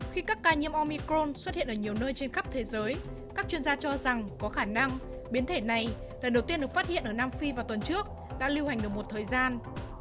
khi các ca nhiễm omicron xuất hiện ở nhiều nơi trên khắp thế giới các chuyên gia cho rằng có khả năng biến thể này lần đầu tiên được phát hiện ở nam phi vào tuần trước đã lưu hành được một thời gian